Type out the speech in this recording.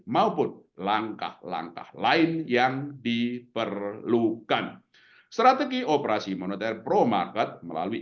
maupun langkah langkah lain yang diperlukan strategi operasi moneter pro market melalui